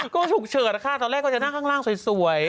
ก็ฉุกเฉินค่ะตอนแรกก็จะนั่งข้างล่างสวย